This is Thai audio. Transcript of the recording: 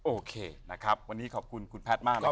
โอเคนะครับวันนี้ขอบคุณคุณแพทย์มากนะครับ